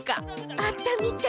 あったみたい。